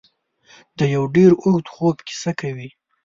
د یو ډېر اوږده خوب کیسه کوي.